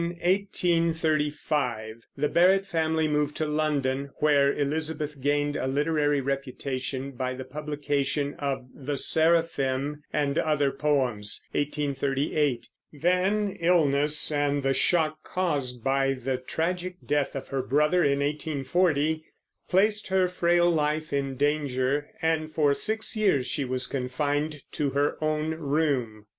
In 1835 the Barrett family moved to London, where Elizabeth gained a literary reputation by the publication of The Seraphim and Other Poems (1838). Then illness and the shock caused by the tragic death of her brother, in 1840, placed her frail life in danger, and for six years she was confined to her own room.